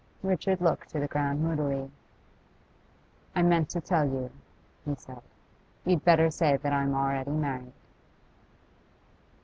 Richard looked to the ground moodily. 'I meant to tell you,' he said. 'You'd better say that I'm already married.